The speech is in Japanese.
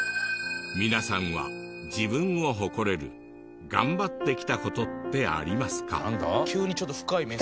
皆さんは自分を誇れる頑張ってきた事ってありますか？